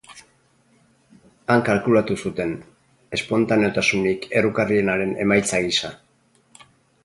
Han kalkulatu zuten, espontaneotasunik errukarrienaren emaitza gisa.